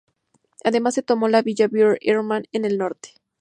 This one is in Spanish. Además se tomó la villa Bir Erman en el norte.